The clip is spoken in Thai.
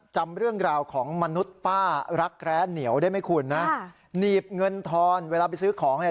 จำเรื่องราวของมนุษย์ป้ารักแร้เหนียวได้ไหมคุณนะค่ะหนีบเงินทอนเวลาไปซื้อของเนี่ย